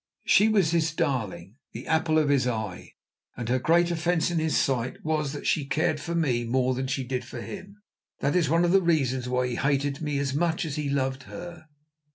She was his darling, the apple of his eye, and her great offence in his sight was that she cared for me more than she did for him. That is one of the reasons why he hated me as much as he loved her.